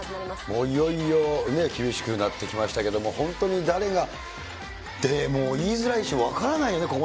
もう、いよいよね、厳しくなってきましたけど、本当に誰が、でも言いづらいし、分からないよ